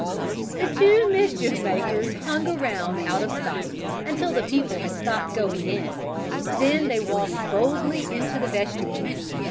The two mischief makers hung around out of sight, until the people had stopped going in, then they walked boldly into the vestibule.